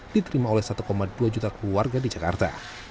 diterima oleh satu dua juta keluarga di jakarta